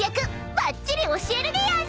ばっちり教えるでやんす。